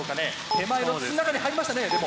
手前の筒の中に入りましたね。